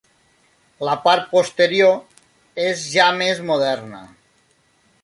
La part posterior és ja més moderna.